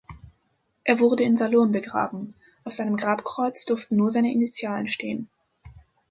Er wurde in Salurn begraben, auf seinem Grabkreuz durften nur seine Initialen stehen.